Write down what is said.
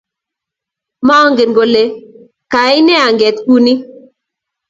Mangen kole kaine anget kuni